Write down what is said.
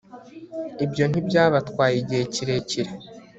ibyo ntibyabatwaye igihe kirekire